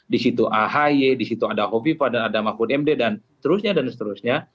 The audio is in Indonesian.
di situ ahy di situ ada hovifah dan ada mahfud md dan seterusnya